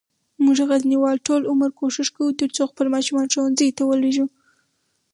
مونږه غزنیوال ټول عمر کوښښ کووه ترڅوخپل ماشومان ښوونځیوته ولیږو